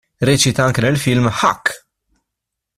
Recita anche nel film "Hack!